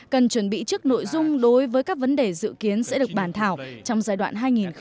cần chuẩn bị trước nội dung đối với các vấn đề dự kiến sẽ được bàn thảo trong giai đoạn hai nghìn hai mươi một hai nghìn hai mươi năm